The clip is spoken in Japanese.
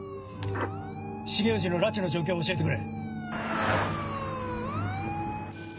重藤の拉致の状況を教えてくれ。